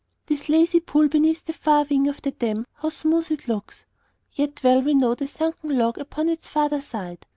This lazy pool beneath the far wing of the dam, how smooth it looks! Yet well we know the sunken log upon its farther side.